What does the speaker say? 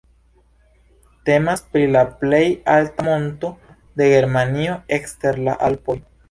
Temas pri la plej alta monto de Germanio ekster la Alpoj.